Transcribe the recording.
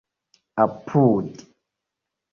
apud